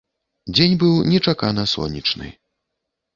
Дзень быў нечакана сонечны.